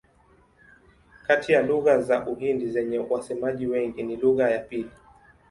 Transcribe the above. Kati ya lugha za Uhindi zenye wasemaji wengi ni lugha ya pili.